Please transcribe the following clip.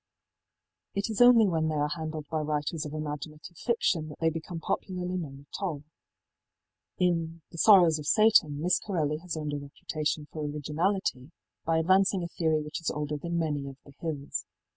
It is only when they are handled by writers of imaginative fiction that they become popularly known at all. In ëThe Sorrows of Sataní Miss Corelli has earned a reputation for originality by advancing a theory which is older than many of the hills.